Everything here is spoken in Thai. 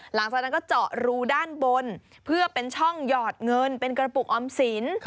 หลังจากนั้นก็เจาะรูด้านบนเพื่อเป็นช่องหยอดเงินเป็นกระปุกออมสิน